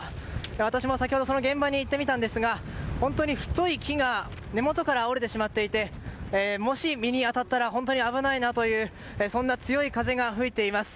私も先ほど現場に行ってみたんですが本当に太い木が根元から折れてしまっていてもし身に当たったら本当に危ないなというそんな強い風が吹いています。